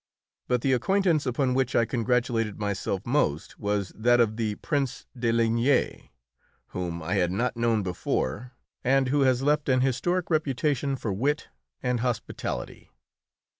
But the acquaintance upon which I congratulated myself most was that of the Prince de Ligne, whom I had not known before, and who has left an historic reputation for wit and hospitality.